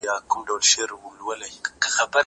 زه اجازه لرم چي موبایل کار کړم!.